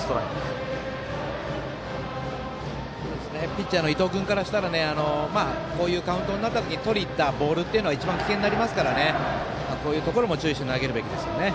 ピッチャーの伊藤君からしたらこういうカウントの中でとりにいったボールが一番危険になりますからこういうところも注意して投げるべきですよね。